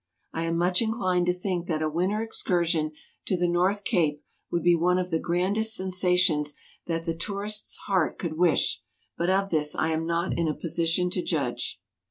I am much inclined to think that a winter excursion to the North Cape would be one of the grandest sensations that the. tourist's heart could wish, but of this I am not in a position to judge.